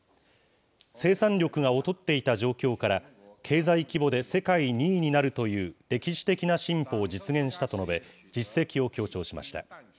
生産力が劣っていた状況から、経済規模で世界２位になるという歴史的な進歩を実現したと述べ、実績を強調しました。